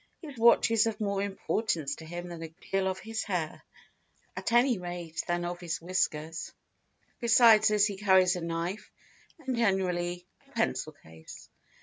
His watch is of more importance to him than a good deal of his hair, at any rate than of his whiskers; besides this he carries a knife, and generally a pencil case.